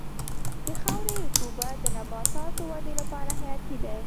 د خاورې رطوبت د نباتاتو د ودې لپاره حیاتي دی.